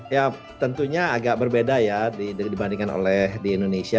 ya tentunya agak berbeda ya dibandingkan oleh di indonesia